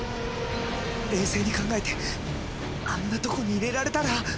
冷静に考えてあんなとこに入れられたら。